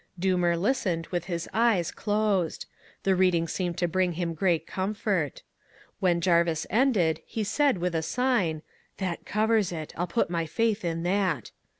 "Doomer listened with his eyes closed. The reading seemed to bring him great comfort. When Jarvis ended he said with a sign, 'That covers it. I'll put my faith in that.'